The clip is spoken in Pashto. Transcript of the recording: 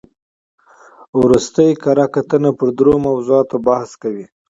ورستۍ کره کتنه پر درو موضوعاتو بحث کوي.